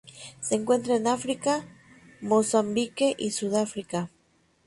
Se encuentran en África: Mozambique y Sudáfrica.